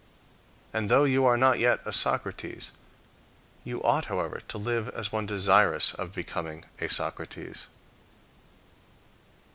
And though you are not yet a Socrates, you ought, however, to live as one desirous of becoming a Socrates.